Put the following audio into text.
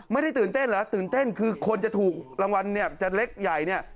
ไม่ได้ตื่นเต้นเหรอตื่นเต้นคือคนจะถูกรางวัลเนี่ยจะเล็กใหญ่เนี่ย